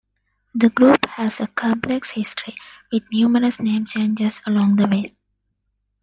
The group has a complex history, with numerous name changes along the way.